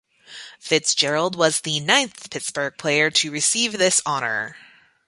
Fitzgerald was the ninth Pittsburgh player to receive this honor.